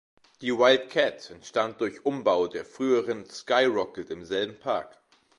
Die Wildcat entstand durch Umbau der früheren Sky Rocket im selben Park.